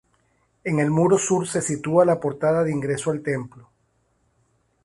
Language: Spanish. En el muro sur se sitúa la portada de ingreso al templo.